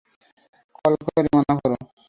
Call করে মানা করো।